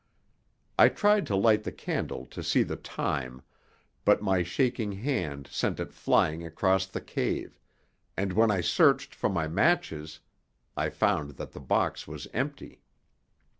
I tried to light the candle to see the time, but my shaking hand sent it flying across the cave, and when I searched for my matches, I found that the box was empty.